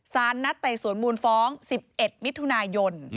ศาลนัดไต่สวนมูลฟ้องสิบเอ็ดมิถุนายน